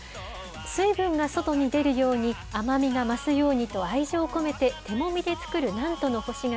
水分が外に出るように、甘みが増すようにと、愛情込めて手もみで作る南砺の干し柿。